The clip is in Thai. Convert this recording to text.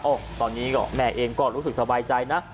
ตอนนี้ก็แม่เองก็รู้สึกสบายใจนะ